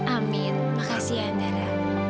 amin makasih andara